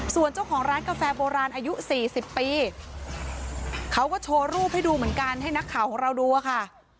ส่วนเจ้าของร้านกาแฟโบราณอายุ๔๐ปีเขาก็โชว์รูปให้ดูเหมือนกันให้นักข่าวของเราดูอะค่ะ